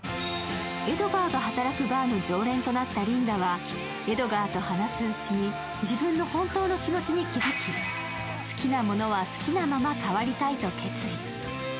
エドガーが働くバーの常連となったリンダは、エドガーと話すうちに、自分の本当の気持ちに気づき好きなものは好きなまま変わりたいと決意。